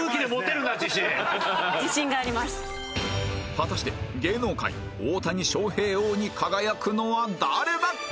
果たして芸能界大谷翔平王に輝くのは誰だ？